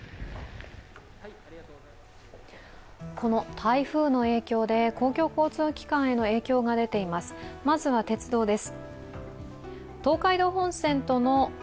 台風の影響で公共交通機関への影響が出ています。